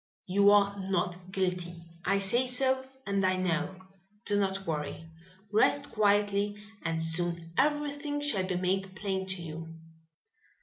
"You are not guilty. I say so, and I know. Do not worry. Rest quietly, and soon everything shall be made plain to you."